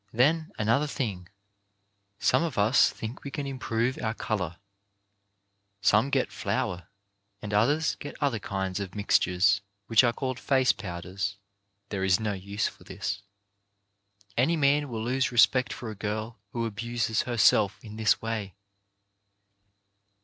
Then, another thing. Some of us think we can improve our colour. Some get flour, and others get other kinds of mixtures which are called face CHARACTER AS SHOWN IN DRESS 249 powders. There is no use for this. Any man will lose respect for a girl who abuses herself in this way.